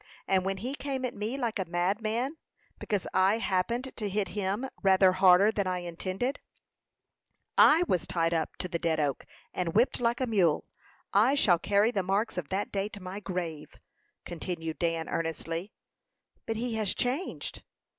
and when he came at me like a madman, because I happened to hit him rather harder than I intended, I was tied up to the Dead Oak, and whipped like a mule. I shall carry the marks of that day to my grave," continued Dan, earnestly. "But he has changed."